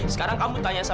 sekarang ayah jahat